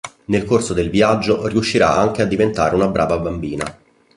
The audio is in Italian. Nel corso del viaggio riuscirà anche a diventare una brava bambina.